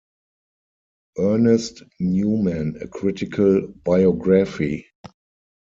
"Ernest Newman: A Critical Biography".